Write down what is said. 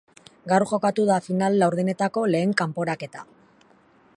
Gaur jokatuko da final-laurdenetako lehen kanporaketa.